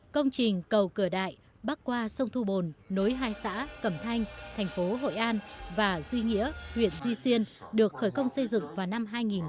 công trình cầu cửa đại bắc qua sông thu bồn nối hai xã cẩm thanh thành phố hội an và duy nghĩa huyện duy xuyên được khởi công xây dựng vào năm hai nghìn một mươi